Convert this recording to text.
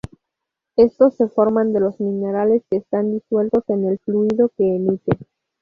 Estos se forman de los minerales que están disueltos en el fluido que emite.